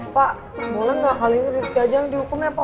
pak boleh gak kalian diujang dihukum ya pak